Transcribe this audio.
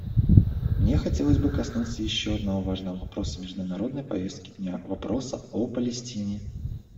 Мне хотелось бы коснуться еще одного важного вопроса международной повестки дня — вопроса о Палестине.